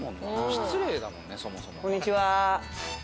失礼だもんねそもそも。